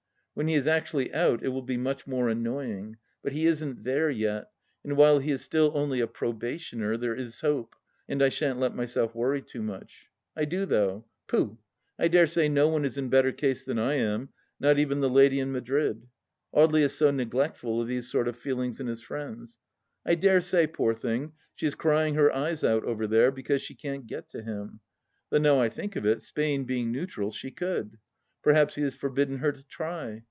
When he is actually out it will be much more annoying ; but he isn't there yet, and while he is still only a probationer there is hope, and I shan't let myself worry too much. I do, though. Pooh 1 I dare say no one is in better case than I am, not even the lady in Madrid. Audely is so neglectful of these sort of feelings in his friends. I dare say, poor thing, she is crying her eyes out over there, because she can't get to him. Though now I think of it, Spain, being neutral, she could ! Perhaps he has forbidden her to try